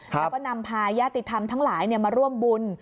แล้วก็นำพาญาติธรรมทั้งหลายมาร่วมบุญ